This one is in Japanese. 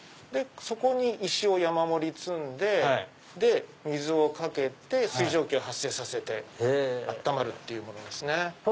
そこに石を山盛り積んで水をかけて水蒸気を発生させて温まるっていうものですね。